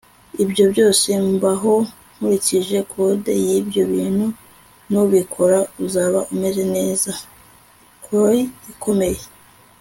ibyo byose. mbaho nkurikije code yibyo bintu. nubikora uzaba umeze neza. - cory ikomeye